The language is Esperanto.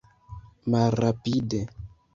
malrapide